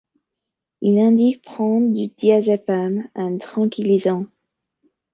Il indique prendre du Diazépam, un tranquillisant.